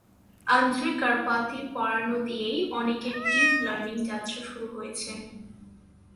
Andre কারপাথির পড়ানো দিয়েই অনেকের ডিপ লার্নিং যাত্রা শুরু হয়েছে।